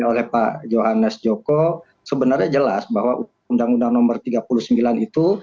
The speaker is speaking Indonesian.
oleh pak johannes joko sebenarnya jelas bahwa undang undang nomor tiga puluh sembilan itu